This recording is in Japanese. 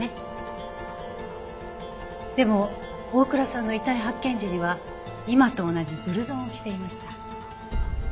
でも大倉さんの遺体発見時には今と同じブルゾンを着ていました。